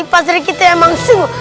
pak sirikiti emang sungguh